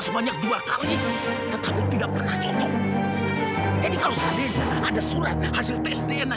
sebanyak dua kali tetapi tidak pernah cocok jadi kalau seandainya ada surat hasil tes dna